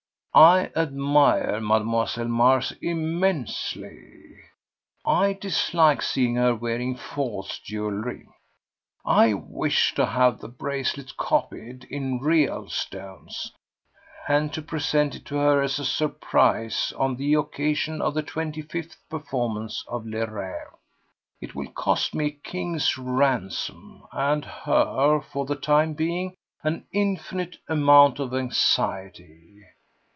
I admire Mlle. Mars immensely. I dislike seeing her wearing false jewellery. I wish to have the bracelet copied in real stones, and to present it to her as a surprise on the occasion of the twenty fifth performance of Le Rêve. It will cost me a king's ransom, and her, for the time being, an infinite amount of anxiety.